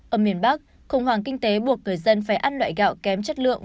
ở miền bắc khủng hoảng kinh tế buộc người dân phải ăn loại gạo kém chất lượng